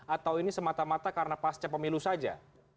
atau ini semata mata karena pasca pemilu saja